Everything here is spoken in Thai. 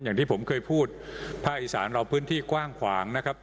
อย่างที่ผมเคยพูดภาคอีสานเราพื้นที่กว้างขวางนะครับ